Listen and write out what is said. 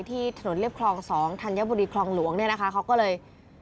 ที่ถนนเรียบคลอง๒ธัญบุรีคลองหลวงเนี่ยนะคะเขาก็เลย